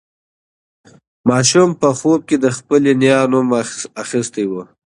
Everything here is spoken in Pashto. ماشوم په خوب کې د خپلې نیا نوم اخیستی و.